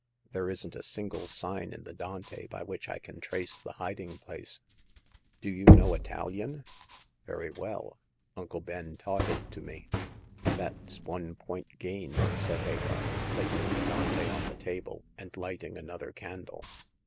There isn't a single sign in the Dante by which I can trace the hiding place." The First Customer. 47 Do you know Italian ?".'* Very well. Uncle Ben taught it to me." That's one point gained,'' said Hagar, placing the Dante on the table and hghting another can dle.